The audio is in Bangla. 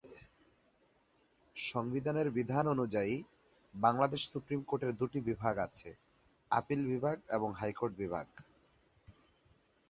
সংবিধানের বিধান অনুযায়ী বাংলাদেশ সুপ্রিম কোর্ট-এর দুটি বিভাগ আছেঃ আপিল বিভাগ এবং হাইকোর্ট বিভাগ।